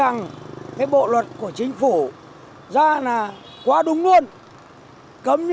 nó quá đúng luôn